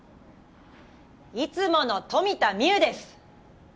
いつもの富田望生です！